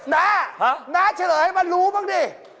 นะนะจะเรเตอร์ให้มันรู้บ้างด้ิ